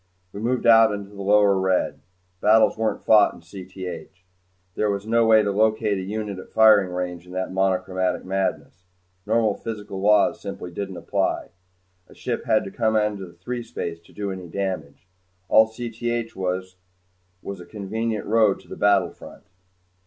We moved out in the lower red. Battles weren't fought in Cth. There was no way to locate a unit at firing range in that monochromatic madness. Normal physical laws simply didn't apply. A ship had to come out into threespace to do any damage. All Cth was was a convenient road to the battlefront.